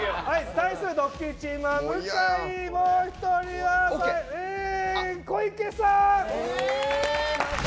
対する「ドッキリ」チームは向井、もう１人は小池さん！